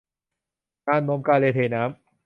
นานนมกาเลเทน้ำ